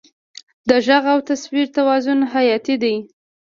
د غږ او تصویر توازن حیاتي دی.